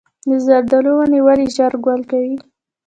د زردالو ونې ولې ژر ګل کوي؟